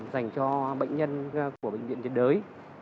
dành cho bệnh nhân của bệnh viện nhiễn đới